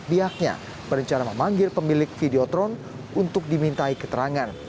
pihaknya berencana memanggil pemilik videotron untuk dimintai keterangan